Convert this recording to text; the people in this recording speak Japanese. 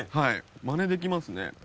まねできますね。